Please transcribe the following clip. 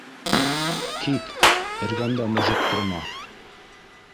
— Кит, эргәмдә мыжып торма.